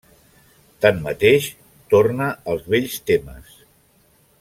Tanmateix, torna als vells temes.